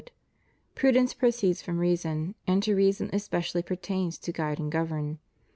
viii. 6. ''' Prudence proceeds from reason, and to reason it specially per tains to guide and govern.